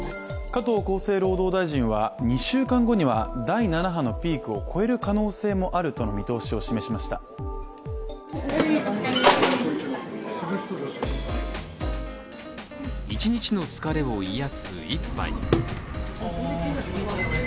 加藤厚生労働大臣は２週間後には第７波のピークを超える可能性もあるとの見通しを示しました一日の疲れを癒やす一杯。